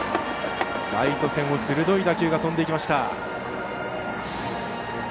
ライト線に鋭い打球が飛んでいきました。